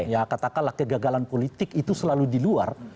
ya katakanlah kegagalan politik itu selalu di luar